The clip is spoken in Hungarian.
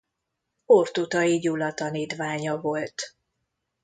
Ortutay Gyula tanítványa volt.